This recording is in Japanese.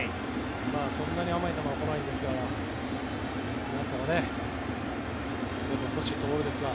そんなに甘い球は来ないんですがなんとかつないでほしいところですが。